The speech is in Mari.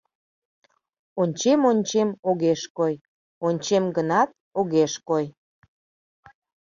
Ончем-ончем - огеш кой, ончем гынат, огеш кой